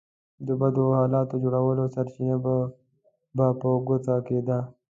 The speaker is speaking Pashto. د بدو حالاتو جوړولو سرچينه به په ګوته کېده.